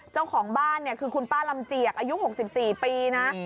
เจ้าของบ้านเนี่ยคือคุณป้าลำเจียกอายุ๖๔ปีนะ